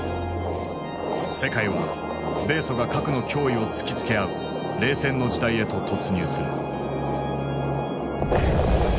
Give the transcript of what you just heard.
世界は米ソが核の脅威を突きつけ合う「冷戦の時代」へと突入する。